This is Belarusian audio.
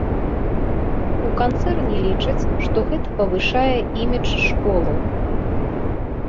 У канцэрне лічаць, што гэта павышае імідж школы.